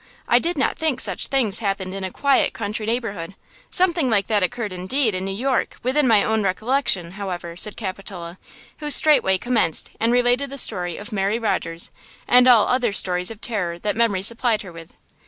I did not think such things happened in a quiet country neighborhood. Something like that occurred, indeed, in New York, within my own recollection, however," said Capitola, who straightway commenced and related the story of Mary Rogers and all other stories of terror that memory supplied her with.